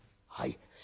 「はい。